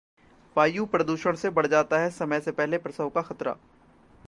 वायु प्रदूषण से बढ़ जाता है समय से पहले प्रसव का खतरा